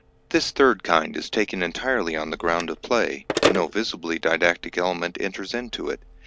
This third kind is taken entirely on the ground of play, and no visibly didactic element enters into it.